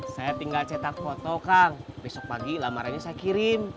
saya tinggal cetak foto kang besok pagi lamarannya saya kirim